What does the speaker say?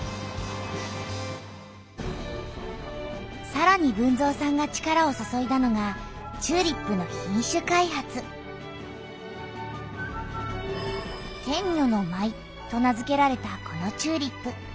さらに豊造さんが力を注いだのがチューリップの「天女の舞」と名づけられたこのチューリップ。